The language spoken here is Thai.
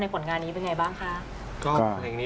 ในผ่อนงานนี้เป็นไงบ้างคะ